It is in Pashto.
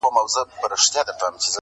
سترګي دي ډکي توپنچې دي!!